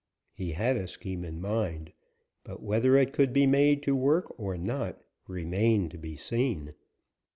He had a scheme in mind, but whether it could be made to work or not remained to be seen.